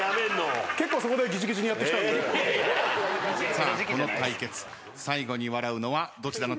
さあこの対決最後に笑うのはどちらのチームになるか。